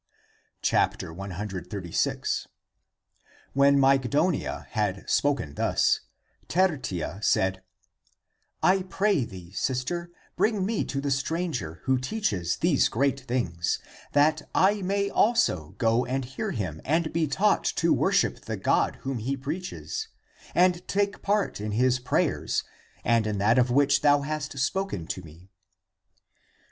136. When IMygdonia had spoken thus, Tertia said, " I pray thee, sister, bring me to the stranger, who teaches these great things, that I may also go and hear him and be taught to worship the God whom he preaches and take part in his prayers and in that of which thou hast spoken to me."